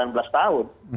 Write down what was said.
berhasil sembilan belas tahun